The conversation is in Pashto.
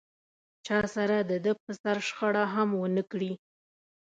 چا سره دده پر سر شخړه هم و نه کړي.